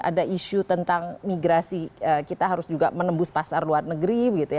ada isu tentang migrasi kita harus juga menembus pasar luar negeri